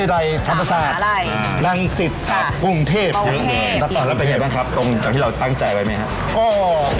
แล้วเป็นอย่างไรบ้างครับตรงจากที่เราตั้งใจไว้ไหมครับ